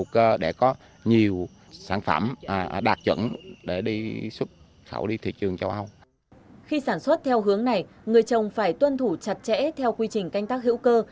khi sản xuất theo hướng này người trồng phải tuân thủ chặt chẽ theo quy trình canh tác hữu cơ